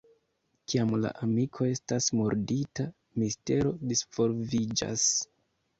Kiam la amiko estas murdita, mistero disvolviĝas.